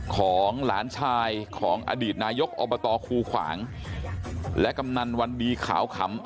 ของหลานชายของอดีตนายกอบตคูขวางและกำนันวันดีขาวขำ